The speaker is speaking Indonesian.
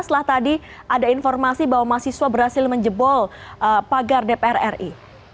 setelah tadi ada informasi bahwa mahasiswa berhasil menjebol pagar dpr ri